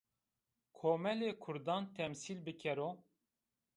Komelê kurdan temsîl bikero.